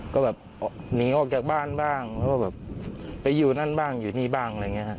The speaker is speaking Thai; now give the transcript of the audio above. ก็แบบหนีออกจากบ้านบ้างแล้วก็แบบไปอยู่นั่นบ้างอยู่นี่บ้างอะไรอย่างนี้ครับ